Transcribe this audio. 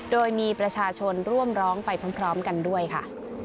โดยมีประชาชนร่วมร้องไปพร้อมกันด้วยค่ะ